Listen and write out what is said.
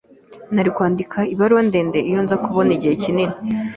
Nari kwandika ibaruwa ndende iyo nza kubona igihe kinini.